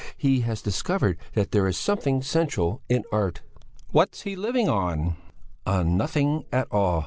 He has discovered that there is something sensual in art." "What's he living on?" "On nothing at all!